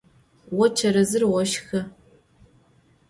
Vo çerezır voşşxı.